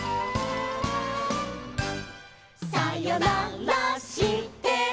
「さよならしても」